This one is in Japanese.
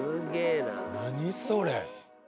何それ！